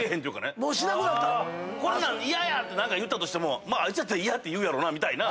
「こんなん嫌」って言ったとしてもあいつやったら嫌って言うやろ。